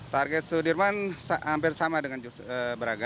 target sudirman hampir sama dengan braga